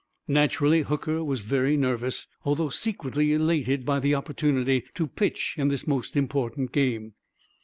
Naturally, Hooker was very nervous, although secretly elated by the opportunity to pitch in this most important game.